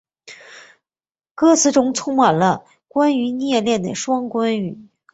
歌词中充满了关于虐恋的双关语。